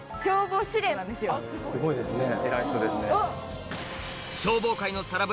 すごいですね。